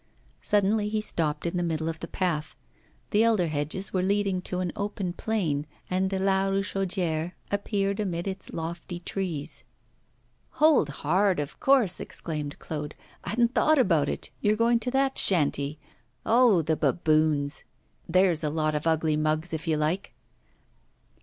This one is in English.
Suddenly he stopped in the middle of the path. The elder hedges were leading to an open plain, and La Richaudière appeared amid its lofty trees. 'Hold hard! of course,' exclaimed Claude, 'I hadn't thought about it you're going to that shanty. Oh! the baboons; there's a lot of ugly mugs, if you like!